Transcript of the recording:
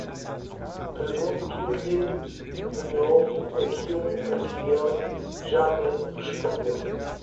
pergunto-lhe de novo aquilo a que ele já me respondeu